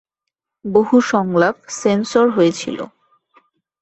বহু সংলাপ সেন্সর হয়েছিল।